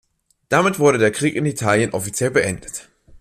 Damit wurde der Krieg in Italien offiziell beendet.